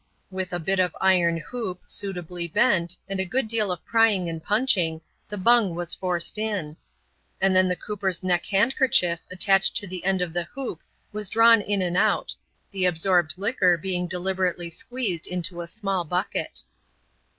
With a bit of iron hoop, suitably bent, and a good deal of prying and punchiaig, the bung was forced in ; and then the cooper's JneA" handkerchief, attached to the end of the hoop, was drawn in and out — the absorbed liquor being deliberately squeezed into a small bucket.